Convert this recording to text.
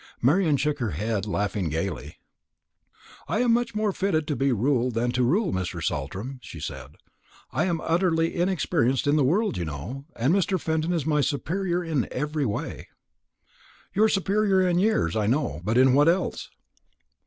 Marian shook her head, laughing gaily. "I am much more fitted to be ruled than to rule, Mr. Saltram," she said. "I am utterly inexperienced in the world, you know, and Mr. Fenton is my superior in every way." "Your superior in years, I know, but in what else?"